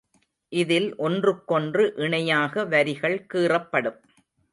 இதில் ஒன்றுக்கொன்று இணையாக வரிகள் கீறப்படும்.